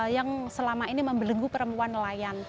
yang selama ini membelenggu perempuan nelayan